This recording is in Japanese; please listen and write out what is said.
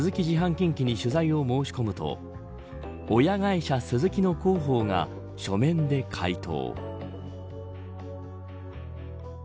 近畿に取材を申し込むと親会社スズキの広報が書面で回答。